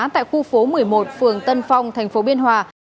tại khu phố một mươi một phường tân phong thành phố biên hòa